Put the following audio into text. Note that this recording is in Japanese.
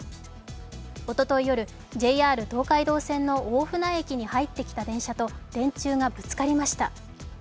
おととい夜、ＪＲ東海道線の大船駅に入ってきた電車と電柱がぶつかりました。